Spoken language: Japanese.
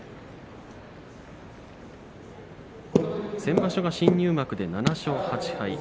先場所が新入幕で７勝８敗。